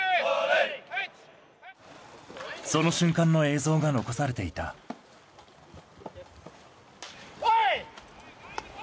その瞬間の映像が残されていた・オイ！